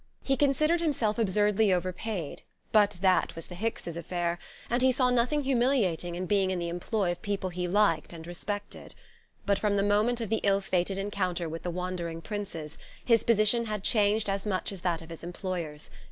He considered himself absurdly over paid, but that was the Hickses' affair; and he saw nothing humiliating in being in the employ of people he liked and respected. But from the moment of the ill fated encounter with the wandering Princes, his position had changed as much as that of his employers.